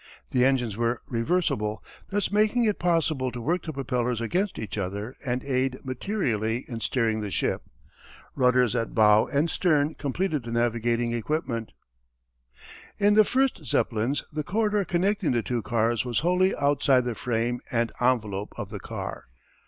The engines were reversible, thus making it possible to work the propellers against each other and aid materially in steering the ship. Rudders at bow and stern completed the navigating equipment. In the first Zeppelins, the corridor connecting the two cars was wholly outside the frame and envelope of the car.